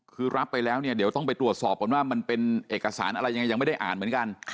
คือรับไปแล้วเนี่ยเดี๋ยวต้องไปตรวจสอบก่อนว่ามันเป็นเอกสารอะไรยังไงยังไม่ได้อ่านเหมือนกัน